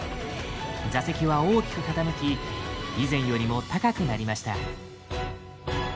座席は大きく傾き以前よりも高くなりました。